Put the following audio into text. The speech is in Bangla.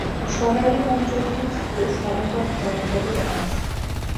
সরাইল অঞ্চলটি ছিলো সমতট জনপদের অংশ।